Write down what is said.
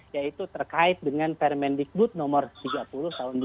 yaitu terkait dengan permendikbud nomor tiga puluh tahun dua ribu dua